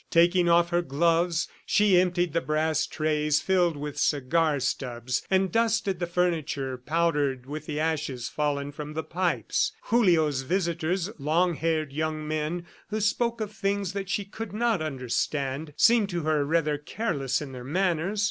Taking off her gloves, she emptied the brass trays filled with cigar stubs and dusted the furniture powdered with the ashes fallen from the pipes. Julio's visitors, long haired young men who spoke of things that she could not understand, seemed to her rather careless in their manners.